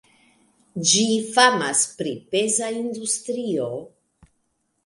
Ĝi famas pri peza industrio.